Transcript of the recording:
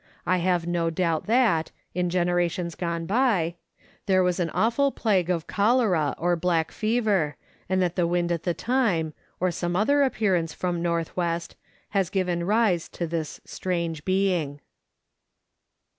I have no doubt that, in generations gone by, there has been an awful plague of cholera or black fever, and that the wind at the time, or some other appearance from N.W., has given rise to this strange being.